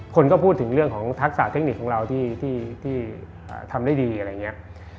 คนก็พูดถึงเรื่องของทักษะเทคนิคของเราที่ทำได้ดีอะไรอย่างนี้